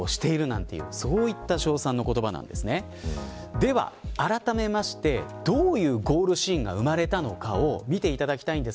では、あらためましてどういうゴールシーンが生まれたのかを見ていただきたいです。